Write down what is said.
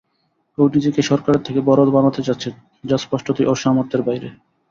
ও নিজেকে সরকারের থেকে বড় বানাতে চাচ্ছে, যা স্পষ্টতই ওর সামর্থ্যের বাইরে।